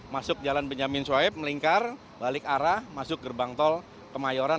masuk jalan benyamin soaib melingkar balik arah masuk gerbang tol ke mayorat